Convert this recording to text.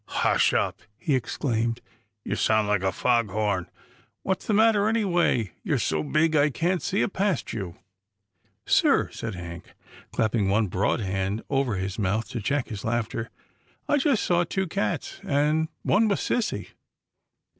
" Hush up," he ex claimed, " you sound like a fog horn — what's the matter, anyway? You're so big, I can't see a past you." " Sir," said Hank, clapping one broad hand over his mouth to check his laughter. " I just saw two cats, and one was sissy."